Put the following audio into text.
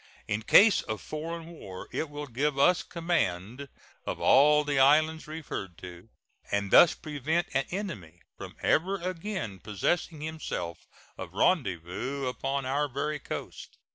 In case of foreign war it will give us command of all the islands referred to, and thus prevent an enemy from ever again possessing himself of rendezvous upon our very coast.